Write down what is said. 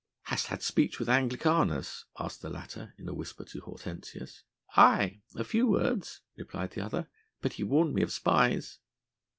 "Hast had speech with Anglicanus?" asked the latter in a whisper to Hortensius. "Aye! a few words," replied the other, "but he warned me of spies."